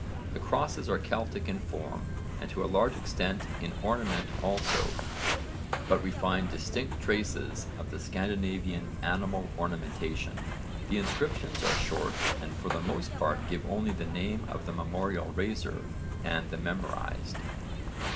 The crosses are Celtic in form and to a large extent in ornament also, but we find distinct traces of the Scandinavian animal ornamentation. The inscriptions are short and for the most part give only the name of the memorial raiser and the memorised.